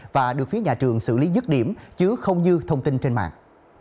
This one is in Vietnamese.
và được phía nhà trường xử lý dứt điểm chứ không như thông tin trên mạng